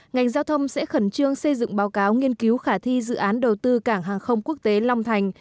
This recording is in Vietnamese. ngành giao thông sẽ khẩn trương xây dựng báo cáo nghiên cứu khả thi dự án đầu tư cảng hàng không quốc tế long thành